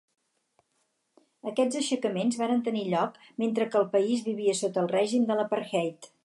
Aquests aixecaments varen tenir lloc mentre que el país vivia sota el règim de l'apartheid.